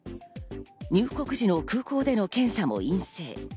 入国時の空港での検査も陰性。